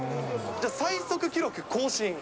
じゃあ最速記録更新？